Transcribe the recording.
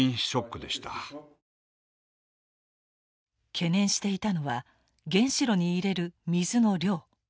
懸念していたのは原子炉に入れる水の量。